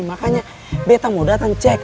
makanya beta mau datang cek